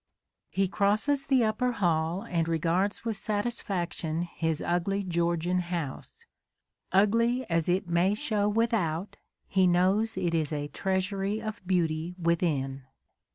.. He crosses the upper hall and regards with satisfaction his ugly Georgian house : ugly as it may show without, he knows it a treasury of beauty within.